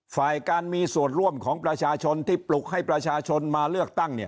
ฝ่ายการมีส่วนร่วมของประชาชนที่ปลุกให้ประชาชนมาเลือกตั้ง